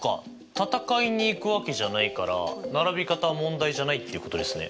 戦いに行くわけじゃないから並び方は問題じゃないってことですね？